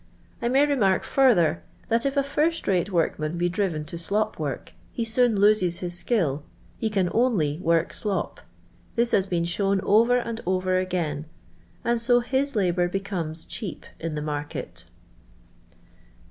I may remark further, that if a first rate work man be driven to slop work, he soon loses his skill; he can only work slop; this has been shown over ! and over again, and so his labour becomes cheap I in the mart.